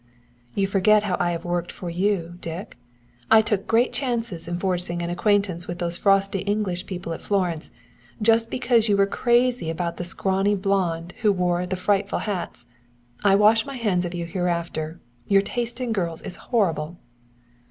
You forget how I have worked for you, Dick. I took great chances in forcing an acquaintance with those frosty English people at Florence just because you were crazy about the scrawny blonde who wore the frightful hats. I wash my hands of you hereafter. Your taste in girls is horrible."